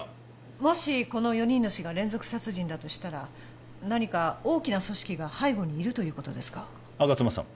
もしこの４人の死が連続殺人だとしたら何か大きな組織が背後にいるということですか吾妻さん